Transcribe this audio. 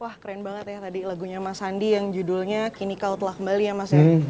wah keren banget ya tadi lagunya mas sandi yang judulnya kini kau telah kembali ya mas ya